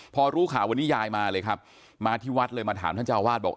พอรู้ข่าววันนี้ยายมาเลยครับมาที่วัดเลยมาถามท่านเจ้าวาดบอก